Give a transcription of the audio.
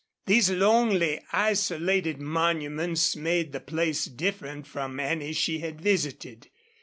These lonely, isolated monuments made the place different from any she had visited.